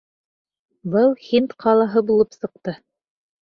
Был һинд ҡалаһы булып сыҡты.